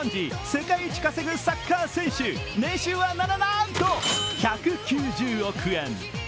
世界一稼ぐサッカー選手、年収は、な、な、なんと１９０億円。